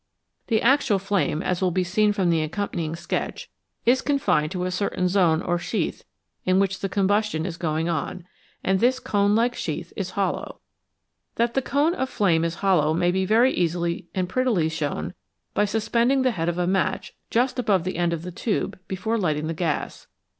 The actual flame, as will be seen from the accompanying 156 FLAME: WHAT IS IT? sketch, is confined to a certain zone or sheath in which the combustion is going on, and this cone like sheath is hollow. That the cone of flame is hollow may be very easily and prettily shown by suspending the head of a match just above the end of the tube before lighting the gas.